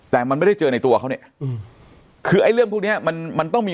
แต่มันไม่ได้เจอในตัวเขาเนี่ยคือไอ้เรื่องพวกเนี้ยมันมันต้องมี